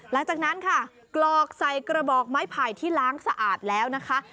หลังจากนั้นค่ะกรอกใส่กระบอกไม้ไผ่ที่ล้างสะอาดแล้วนะคะ